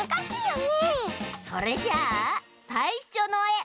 それじゃあさいしょのえ！